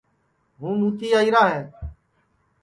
ہُوں مُوتی آئیرا ہے